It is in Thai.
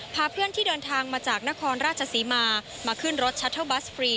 พาเพื่อนที่เดินทางมาจากนครราชศรีมามาขึ้นรถชัตเทิลบัสฟรี